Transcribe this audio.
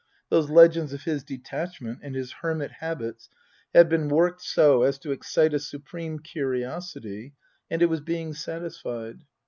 Those legends of his detachment and his hermit habits had been worked so as to excite a supreme curiosity and it was being satisfied.